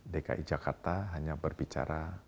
dki jakarta hanya berbicara